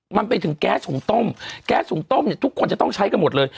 มันไปถึงแก๊สหุงต้มแก๊สหุงต้มเนี่ยทุกคนจะต้องใช้กันหมดเลย